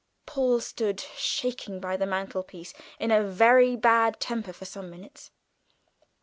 Paul stood shaking by the mantelpiece in a very bad temper for some minutes.